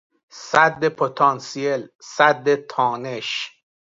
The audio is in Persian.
سد پتانسیل، سد تانش